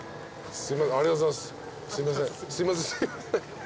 すいません。